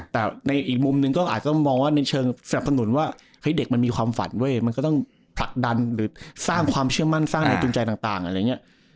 แต่ในอีกมุมหนึ่งก็อาจจะมองว่าในเชิงสนับสนุนว่าเฮ้ยเด็กมันมีความฝันเว้ยมันก็ต้องผลักดันหรือสร้างความเชื่อมั่นสร้างในจุงใจต่างอะไรอย่างนี้